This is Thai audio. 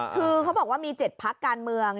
คือเขาบอกว่ามี๗พักการเมือง